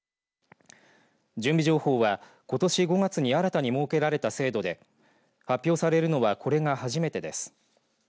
準備情報は、ことし５月に新たに設けられた制度で発表されるのはこれが初めてです。